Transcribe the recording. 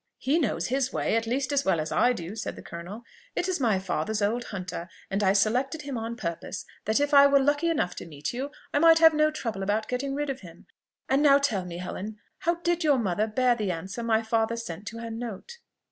"He knows his way, at least, as well as I do," said the colonel. "It is my father's old hunter, and I selected him on purpose, that if I were lucky enough to meet you, I might have no trouble about getting rid of him. And now tell me, Helen, how did your mother bear the answer my father sent to her note?"